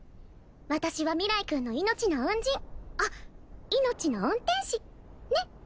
私は明日君の命の恩人あっ命の恩天使ねっ！